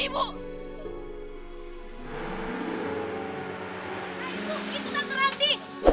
eh ibu itu tante ranti